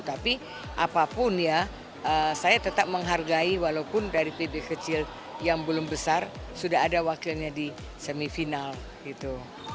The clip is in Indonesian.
tapi apapun ya saya tetap menghargai walaupun dari pb kecil yang belum besar sudah ada wakilnya di semifinal gitu